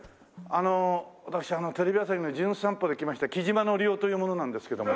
私テレビ朝日の『じゅん散歩』で来ました木島則夫という者なんですけども。